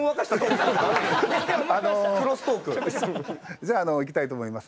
じゃああのいきたいと思います。